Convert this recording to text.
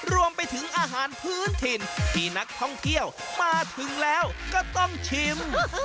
รวมไปถึงอาหารพื้นถิ่นที่นักท่องเที่ยวมาถึงแล้วก็ต้องชิม